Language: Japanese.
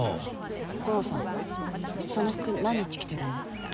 悟郎さんその服何日着てるの？